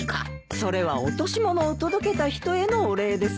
それは落とし物を届けた人へのお礼ですよ。